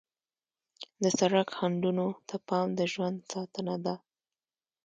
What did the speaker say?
د سړک خنډونو ته پام د ژوند ساتنه ده.